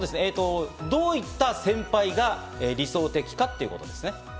どういった先輩が理想的かということですね。